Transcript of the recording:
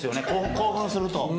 興奮すると。